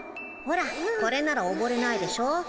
ほらこれならおぼれないでしょ。